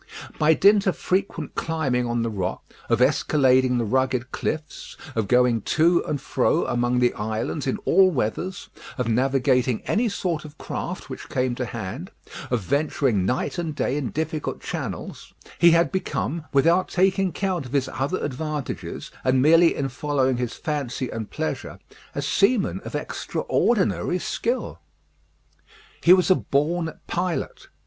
By dint of frequent climbing on the rocks, of escalading the rugged cliffs, of going to and fro among the islands in all weathers, of navigating any sort of craft which came to hand, of venturing night and day in difficult channels, he had become, without taking count of his other advantages, and merely in following his fancy and pleasure, a seaman of extraordinary skill. He was a born pilot.